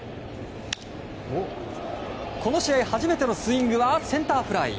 この試合初めてのスイングはセンターフライ。